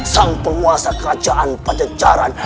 sang penguasa kerajaan pajejaran